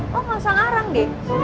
lo gausah ngarang deh